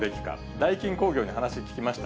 ダイキン工業に話を聞きました。